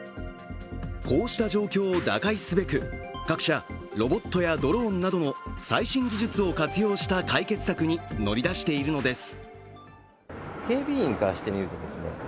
こうした状況を打開すべく、各社、ロボットやドローンなどの最新技術を活用した解決策に乗り出しているのです。